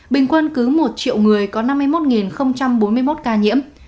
bình quân cứ một triệu người có năm mươi một bốn mươi một ca nhiễm